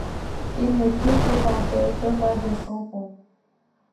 Il n'est plus fréquenté que par des sampans.